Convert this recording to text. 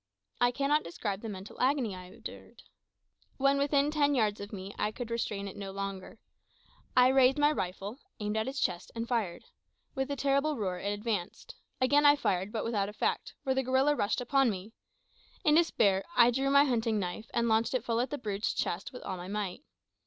I cannot describe the mental agony I endured. When within ten yards of me I could restrain myself no longer. I raised my rifle, aimed at its chest, and fired. With a terrible roar it advanced. Again I fired, but without effect, for the gorilla rushed upon me. In despair, I drew my hunting knife and launched it full at the brute's chest with all my might.